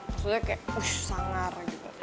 maksudnya kayak ush sangar